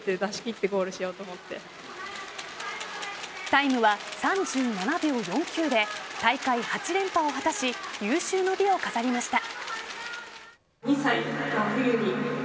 タイムは３７秒４９で大会８連覇を果たし有終の美を飾りました。